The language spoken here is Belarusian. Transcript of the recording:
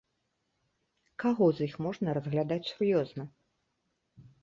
Каго з іх можна разглядаць сур'ёзна?